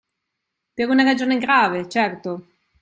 Per una ragione grave, certo;